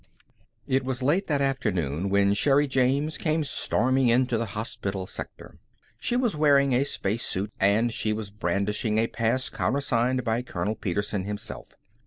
It was late that afternoon when Sherri James came storming into the hospital sector. She was wearing a spacesuit, and she was brandishing a pass countersigned by Colonel Petersen himself.